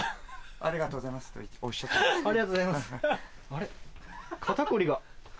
ありがとうございます。